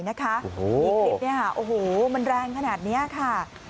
นี่คลิปนี้ค่ะโอ้โหมันแรงขนาดนี้ค่ะ